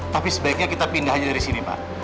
tapi sebaiknya kita pindah aja dari sini pak